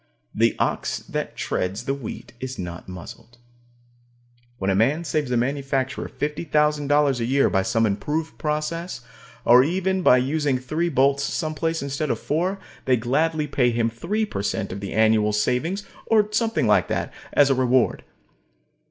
The ox that treads the wheat is not muzzled. When a man saves a manufacturer $50,000 a year by some improved process, or even by using three bolts someplace instead of four, they gladly pay him three per cent of the annual savings, or something like that, as a reward.